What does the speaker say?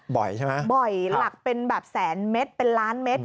บ่อยใช่ไหมครับครับบ่อยหลักเป็นแบบแสนเมตรเป็นล้านเมตร